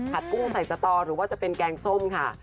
กุ้งใส่สตอหรือว่าจะเป็นแกงส้มค่ะ